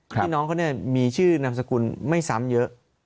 พี่น้องเขามีชื่อนามสกุลไม่ซ้ำเยอะ